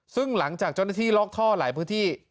ซึ่งหลังจากเจ้าหน้าที่ลอกท่อหลายพื้นที่